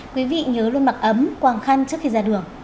quý vị nhớ luôn mặc ấm quàng khăn trước khi ra đường